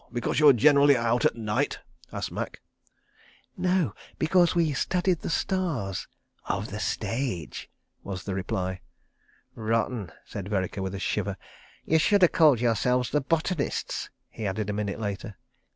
Because you were generally out at night?" asked Macke. "No—because we studied the Stars—of the Stage," was the reply. ... "Rotten," said Vereker, with a shiver. "You sh'd have called yourselves The Botanists," he added a minute later.